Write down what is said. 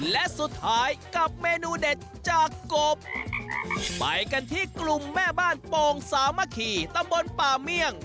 และสุดท้ายกับเมนูเด็ดจากกบไปกันที่กลุ่มแม่บ้านโป่งสามัคคีตำบลป่าเมี่ยง